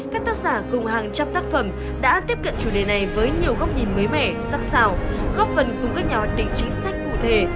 các tác giả cùng hàng trăm tác phẩm đã tiếp cận chủ đề này với nhiều góc nhìn mới mẻ sắc xảo góp phần cùng các nhà hoạch định chính sách cụ thể